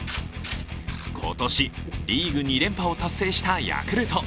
今年、リーグ２連覇を達成したヤクルト。